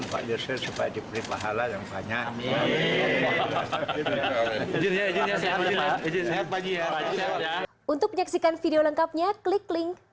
ba'asyir supaya diberi pahala yang banyak